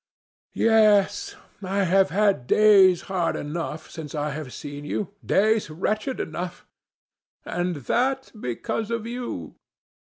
"Yes, I have had days hard enough, since I have seen you, days wretched enough and that because of you!"